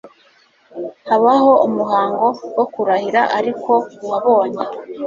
habaho umuhango wo kurahira, ariko uwabonye